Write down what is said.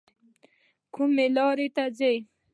کومه لار ته ځئ؟